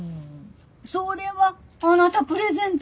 それはあなたプレゼントしてよ